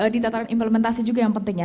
ditatakan implementasi juga yang pentingnya